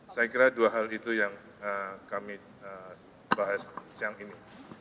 saya kira dua hal itu yang kami bahas siang ini